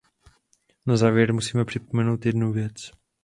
Na závěr musíme připomenout jednu věc.